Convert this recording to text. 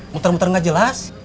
muter muter nggak jelas